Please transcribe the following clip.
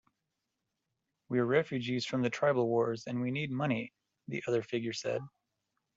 "We're refugees from the tribal wars, and we need money," the other figure said.